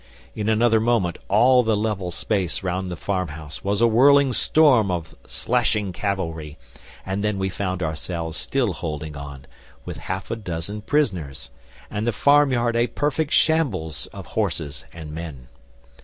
In another moment all the level space round the farmhouse was a whirling storm of slashing cavalry, and then we found ourselves still holding on, with half a dozen prisoners, and the farmyard a perfect shambles of horses and men.